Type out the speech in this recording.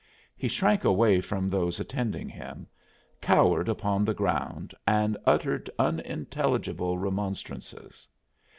He shrank away from those attending him, cowered upon the ground and uttered unintelligible remonstrances.